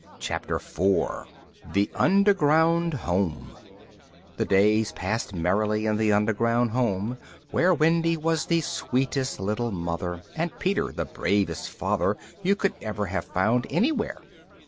] PART IV THE UNDERGROUND HOME The days passed merrily in the underground home, where Wendy was the sweetest little mother, and Peter the bravest father you could ever have found anywhere.